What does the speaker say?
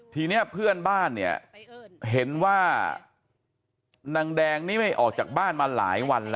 ทีนี้เพื่อนบ้านเนี่ยเห็นว่านางแดงนี่ไม่ออกจากบ้านมาหลายวันแล้ว